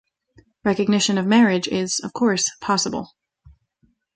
Recognition of marriage is, of course, possible.